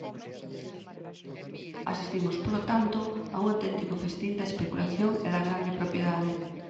Asistimos, polo tanto, a un auténtico festín da especulación e da grande propiedade.